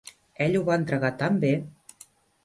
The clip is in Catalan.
Ell ho va entregar tan bé.